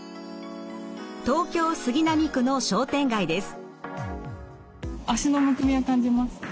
東京・杉並区の商店街です。